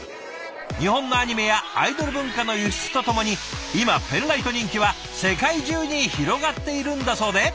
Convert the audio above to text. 日本のアニメやアイドル文化の輸出とともに今ペンライト人気は世界中に広がっているんだそうで。